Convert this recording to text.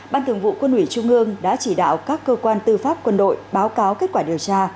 ban thường vụ quân ủy trung ương đã chỉ đạo các cơ quan tư pháp quân đội báo cáo kết quả điều tra